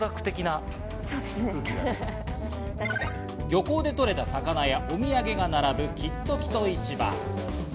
漁港でとれた魚やお土産が並ぶきっときと市場。